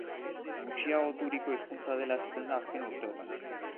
Gutxiagoturiko hizkuntza dela esaten da azken urteotan.